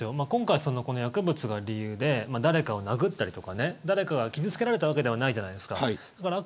今回薬物が理由で誰かを殴ったり誰かが傷つけられたわけではないじゃないですか。